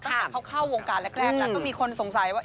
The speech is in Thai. ตั้งแต่เขาเข้าวงการแรกแล้วก็มีคนสงสัยว่า